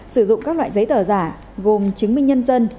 sử dụng các loại giấy tờ giả gồm chứng minh nhân dân